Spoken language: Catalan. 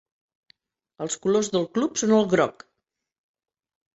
Els colors del club són el groc.